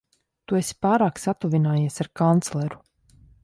Tu esi pārāk satuvinājies ar kancleru.